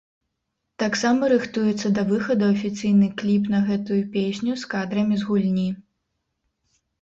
Таксама рыхтуецца да выхаду афіцыйны кліп на гэтую песню з кадрамі з гульні.